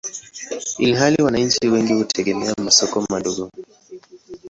ilhali wananchi wengi hutegemea masoko madogo.